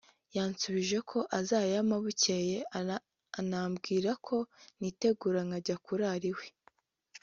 yanshubije ko azayampa bukeye anambwira ko nitegura nkajya kurara iwe